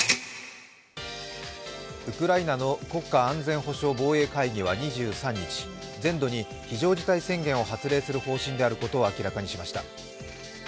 ウクライナの国家安全保障防衛会議は２３日全土に非常事態宣言を発令する方針であることを明らかにしました。